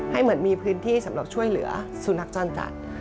เหมือนมีพื้นที่สำหรับช่วยเหลือสุนัขจรจัด